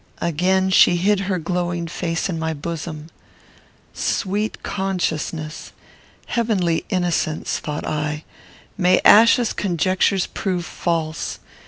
Again she hid her glowing face in my bosom. "Sweet consciousness! Heavenly innocence!" thought I; "may Achsa's conjectures prove false!